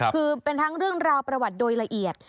คือเป็นทั้งเรื่องราวประวัติโดยละเอียด